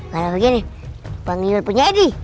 kalau begini bang yul punya edi